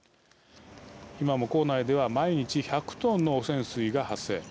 今も構内では毎日１００トンの汚染水が発生。